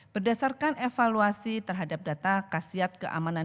berdasarkan evaluasi terhadap data kasiat keamanan